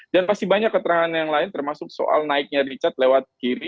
dan pasti banyak keterangan yang lain termasuk soal naiknya richard lewat kiri